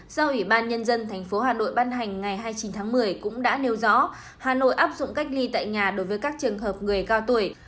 do ủy ban nhân dân tp hà nội ban hành ngày hai mươi chín tháng một mươi cũng đã nêu rõ hà nội áp dụng cách ly tại nhà đối với các trường hợp người cao tuổi